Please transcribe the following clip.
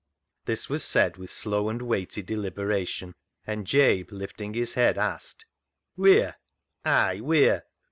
" This was said with slow and weighty de liberation, and Jabe, lifting his head, asked — "Wheer?" " Ay, wheer ?